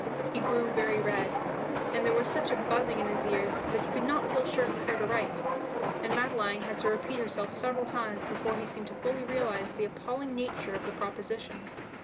He grew very red, and there was such a buzzing in his ears that he could not feel sure he heard aright, and Madeline had to repeat herself several times before he seemed to fully realize the appalling nature of the proposition.